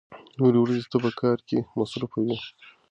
نورې ورځې ته په کار کې مصروف يې.